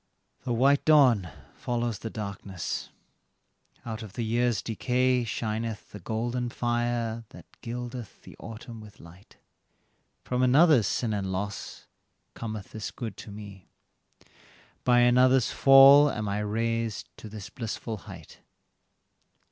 The white dawn follows the darkness; out of the years' decay Shineth the golden fire that gildeth the autumn with light; From another's sin and loss, cometh this good to me, By another's fall am I raised to this blissful height.